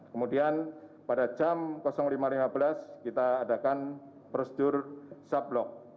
kemudian pada jam lima lima belas kita adakan prosedur sublock